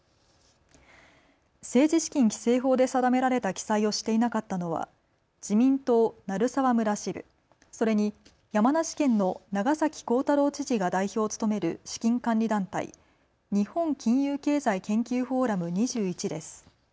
政治資金規正法で定められた記載をしていなかったのは自民党鳴沢村支部、それに山梨県の長崎幸太郎知事が代表を務める資金管理団体、日本金融経済研究フォーラム２１です。